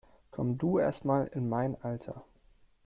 Komm du erst mal in mein Alter!